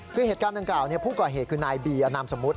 คือเหตุการณ์ดังกล่าวผู้ก่อเหตุคือนายบีอนามสมมุติ